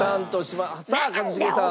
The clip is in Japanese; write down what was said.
さあ一茂さん。